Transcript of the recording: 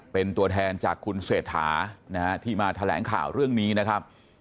เป็นตัวแทนจากคุณเศรษฐานะฮะที่มาแถลงข่าวเรื่องนี้นะครับ